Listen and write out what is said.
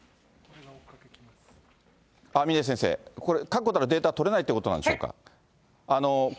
峰先生、これ、確固たるデータは取れないということなんでしょうか。